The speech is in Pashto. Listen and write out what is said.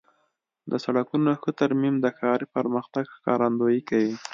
د سړکونو ښه ترمیم د ښاري پرمختګ ښکارندویي کوي.